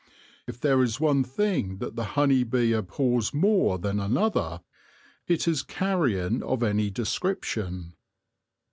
If there is one thing that the honey bee abhors more than another, it is carrion of any descrip tion.